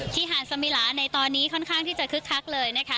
หาดสมิลาในตอนนี้ค่อนข้างที่จะคึกคักเลยนะคะ